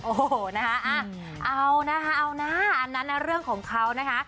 โอ้โหนะคะเอานะคะเอานะอันนั้นนะเรื่องของเขานะคะ